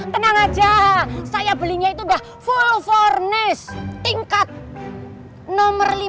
tenang aja saya belinya itu udah full furnished tingkat nomor lima ratus lima